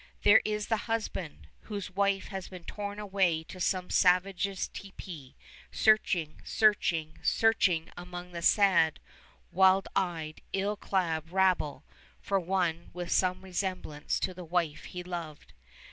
There is the husband, whose wife has been torn away to some savage's tepee, searching, searching, searching among the sad, wild eyed, ill clad rabble for one with some resemblance to the wife he loved.